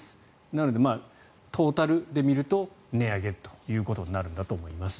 なので、トータルで見ると値上げということになるんだと思います。